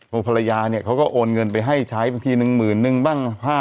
ภรรยาเนี่ยเขาก็โอนเงินไปให้ใช้บางทีหนึ่งหมื่นนึงบ้าง๕๐๐